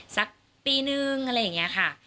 สักปีนึงอะไรอย่างนี้ค่ะ